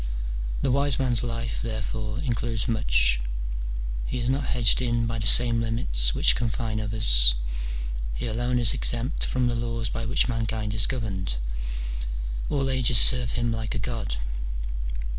The wise man's life, therefore, includes much : he is not hedged in by the same limits which confine others : he alone is exempt from the laws by which mankind is governed : all ages serve him like a god.